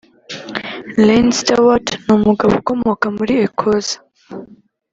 Iain Stewart ni umugabo ukomoka muri Ecosse